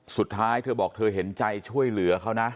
สุดท้ายเธอบอกเธอเห็นใจช่วยเหลือเขานะ